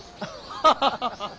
ハハハハ！